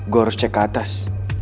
gue harus cek ke atas